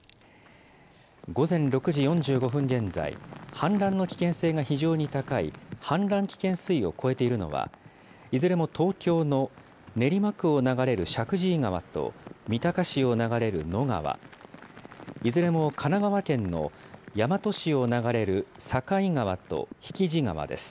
午前６時４５分現在、氾濫の危険性が非常に高い氾濫危険水位を超えているのは、いずれも東京の練馬区を流れる石神井川と三鷹市を流れる野川、いずれも神奈川県の大和市を流れる境川と引地川です。